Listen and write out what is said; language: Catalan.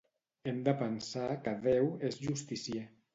Hem de pensar que Déu és justicier.